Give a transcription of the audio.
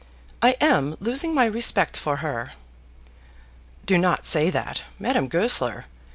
I am losing my respect for her." "Do not say that, Madame Goesler.